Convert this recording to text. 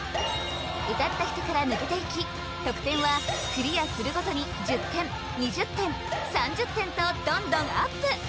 歌った人から抜けていき得点はクリアするごとに１０点２０点３０点とどんどんアップ